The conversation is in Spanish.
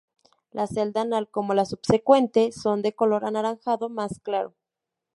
La celda anal, como la subsecuente son de color anaranjado más claro.